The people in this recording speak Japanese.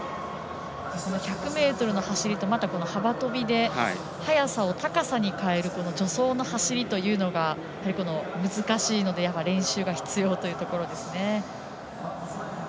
１００ｍの走りと幅跳びで速さを高さに変える助走の走りというのがやはり難しいので練習が必要というところです。